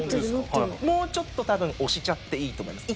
もうちょっと多分押しちゃっていいと思います。